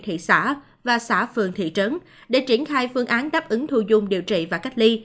thị xã và xã phường thị trấn để triển khai phương án đáp ứng thu dung điều trị và cách ly